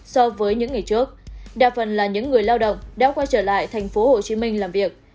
so với những ngày trước đa phần là những người lao động đã quay trở lại tp hcm làm việc